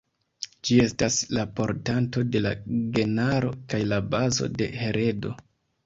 Ĝi estas la portanto de la genaro kaj la bazo de heredo.